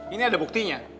ini ada buktinya